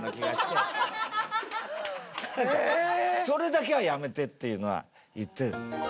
それだけはやめてっていうのは言ってる。